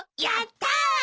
やったー！